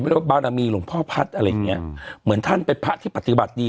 ว่าบารมีหลวงพ่อพัฒน์อะไรอย่างเงี้ยเหมือนท่านเป็นพระที่ปฏิบัติดี